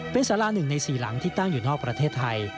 เป็นสารา๑ใน๔หลังที่ตั้งอยู่นอกประเทศไทย